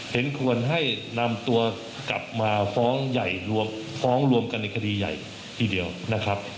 เห็นควรให้นำตัวกลับมาฟ้องใหญ่ฟ้องรวมกันในคดีใหญ่ทีเดียวนะครับ